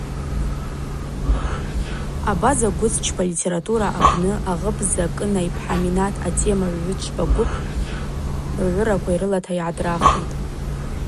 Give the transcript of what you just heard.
Абаза гвацчпа литература апны агъыбза Кына йпхӏа Минат атема гӏвгӏвчва гвыпкӏ ргӏвыраква йрылата йгӏадрахитӏ.